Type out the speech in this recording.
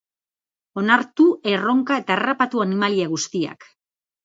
Onartu erronka eta harrapatu animalia guztiak.